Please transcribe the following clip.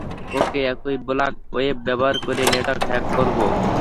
ওকে একই black web ব্যবহার করিয়ে নেটওয়ার্ক হ্যাক করাবো।